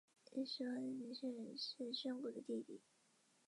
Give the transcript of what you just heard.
不少韩国电影界人士质疑检控是出于政治报复。